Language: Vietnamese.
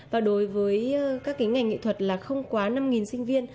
và đối với các ngành nghệ thuật là không quá năm sinh viên